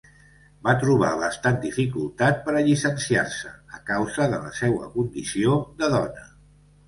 Va trobar bastant dificultat per a llicenciar-se a causa de la seua condició de dona.